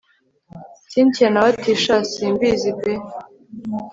cyntia nawe ati shn simbizi pe